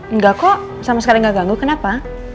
enggak kok sama sekali nggak ganggu kenapa